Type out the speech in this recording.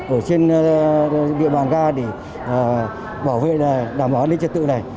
ở trên địa bàn ga để bảo vệ đảm bảo an ninh trật tự này